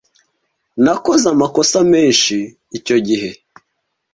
Nakoze amakosa menshi icyo gihe.